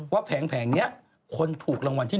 แผงนี้คนถูกรางวัลที่๑